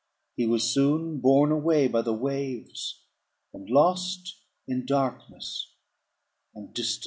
He was soon borne away by the waves, and lost in darkness and distance.